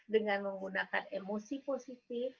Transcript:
dengan menggunakan emosi positif